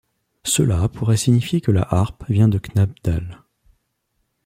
Cela pourrait signifier que la harpe vient de Knapdale.